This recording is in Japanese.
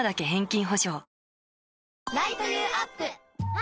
あ！